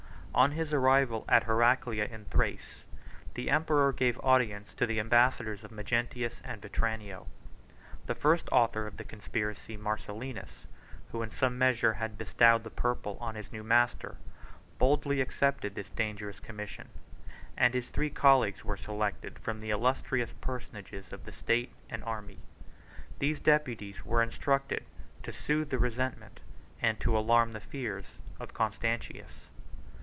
On his arrival at Heraclea in Thrace, the emperor gave audience to the ambassadors of Magnentius and Vetranio. The first author of the conspiracy Marcellinus, who in some measure had bestowed the purple on his new master, boldly accepted this dangerous commission; and his three colleagues were selected from the illustrious personages of the state and army. These deputies were instructed to soothe the resentment, and to alarm the fears, of Constantius.